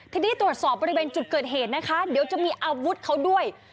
ทีนี้ตรวจสอบบริเวณจุดเกิดเหตุนะคะเดี๋ยวจะมีอาวุธเขาด้วย